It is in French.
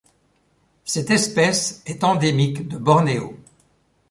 Cette espèce est endémique de Bornéo.